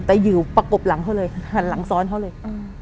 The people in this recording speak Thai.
แต่อยู่ประกบหลังเขาเลยหันหลังซ้อนเขาเลย